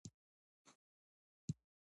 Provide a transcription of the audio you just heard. افغانستان د کال په اوږدو کې له بادام ډک وي.